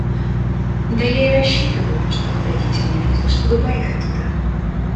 Да я и рассчитываю, что вы дадите мне визу, чтобы поехать туда.